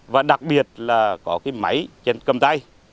và đặc biệt là có cái máy trên cầm tay